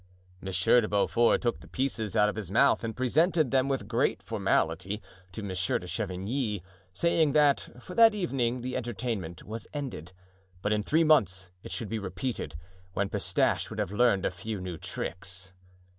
Monsieur de Beaufort took the pieces out of his mouth and presented them with great formality to Monsieur de Chavigny, saying that for that evening the entertainment was ended, but in three months it should be repeated, when Pistache would have learned a few new tricks.